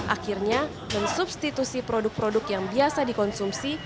akhirnya mensubstitusi produk produk yang biasa dikonsumsi